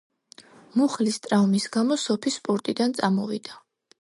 მუხლის ტრავმის გამო სოფი სპორტიდან წამოვიდა.